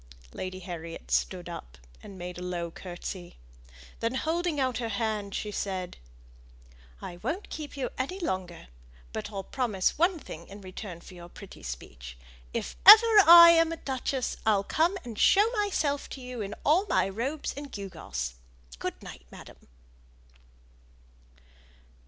Lady Harriet stood up, and made a low curtsey. Then holding out her hand, she said, "I won't keep you up any longer; but I'll promise one thing in return for your pretty speech: if ever I am a duchess, I'll come and show myself to you in all my robes and gewgaws. Good night, madam!"